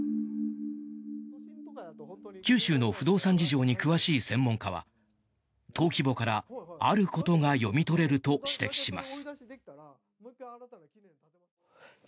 九州の不動産事情に詳しい専門家は登記簿からあることが読み取れると指摘します。